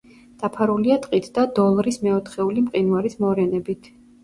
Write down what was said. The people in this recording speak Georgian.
დაფარულია ტყით და დოლრის მეოთხეული მყინვარის მორენებით.